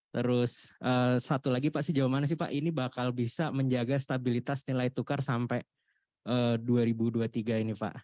terus satu lagi pak sejauh mana sih pak ini bakal bisa menjaga stabilitas nilai tukar sampai dua ribu dua puluh tiga ini pak